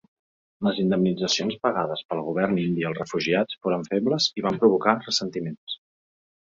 Les indemnitzacions pagades pel govern indi als refugiats foren febles i van provocar ressentiments.